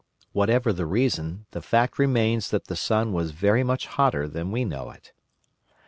Whatever the reason, the fact remains that the sun was very much hotter than we know it.